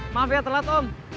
maaf ya telat om